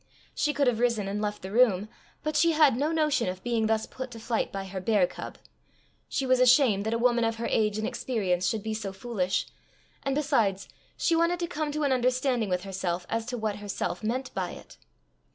She could have risen and left the room, but she had "no notion" of being thus put to flight by her bear cub; she was ashamed that a woman of her age and experience should be so foolish; and besides, she wanted to come to an understanding with herself as to what herself meant by it.